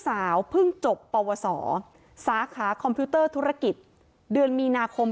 สาวเพิ่งจบปวสอสาขาคอมพิวเตอร์ธุรกิจเดือนมีนาคม